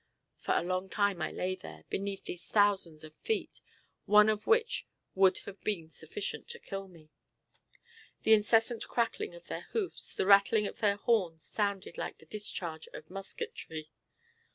For a long time I lay there, beneath these thousands of feet, one of which would have been sufficient to kill me. The incessant crackling of their hoofs, and rattling of their horns, sounded like the discharge of musketry.